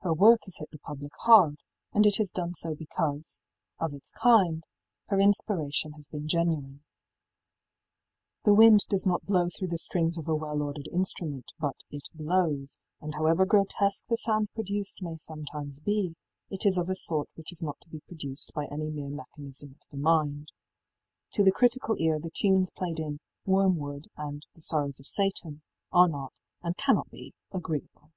Her work has hit the public hard, and it has done so because, of its kind, her inspiration has been genuine. The wind does not blow through the strings of a well ordered instrument, but it blows, and however grotesque the sound produced may sometimes be, it is of a sort which is not to be produced by any mere mechanism of the mind. To the critical ear the tunes played in ëWormwoodí and ëThe Sorrows of Sataní are not, and cannot be, agreeable.